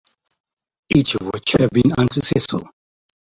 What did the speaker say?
Each of which have been unsuccessful.